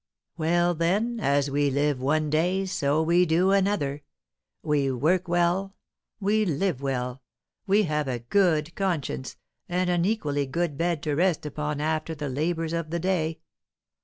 "Well, then, as we live one day, so we do another. We work well, we live well, we have a good conscience, and an equally good bed to rest upon after the labours of the day.